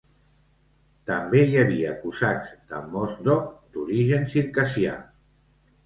També hi havia cosacs de Mozdok d'origen circassià.